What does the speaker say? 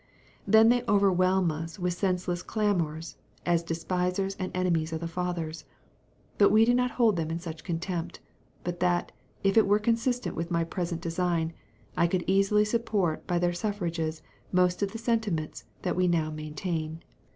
Then they overwhelm us with senseless clamours, as despisers and enemies of the fathers. But we do not hold them in such contempt, but that, if it were consistent with my present design, I could easily support by their suffrages most of the sentiments that we now maintain.